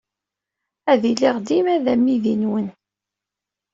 Ad iliɣ dima d amidi-nwen.